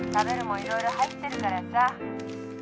いろいろ入ってるからさ」